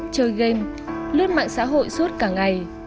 chơi game lướt mạng xã hội suốt cả ngày